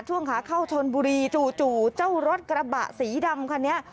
ช่วงขาเข้าชนบุรีจู่เจ้ารถกระบะสีดำคันนี้